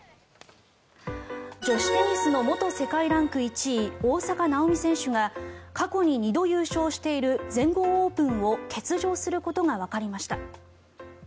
女子テニスの元世界ランク１位大坂なおみ選手が過去に２度優勝している全豪オープンを欠場することがわかりました。